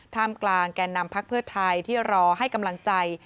กลางแก่นำพักเพื่อไทยที่รอให้กำลังใจ